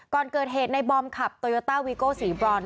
ก่อนเกิดเหตุในบอมขับโตโยต้าวีโก้สีบรอน